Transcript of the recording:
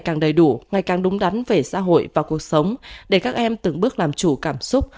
càng đầy đủ ngày càng đúng đắn về xã hội và cuộc sống để các em từng bước làm chủ cảm xúc